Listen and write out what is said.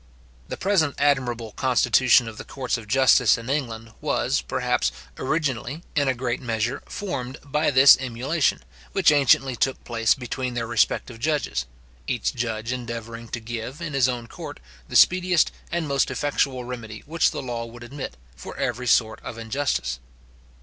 The present admirable constitution of the courts of justice in England was, perhaps, originally, in a great measure, formed by this emulation, which anciently took place between their respective judges: each judge endeavouring to give, in his own court, the speediest and most effectual remedy which the law would admit, for every sort of injustice.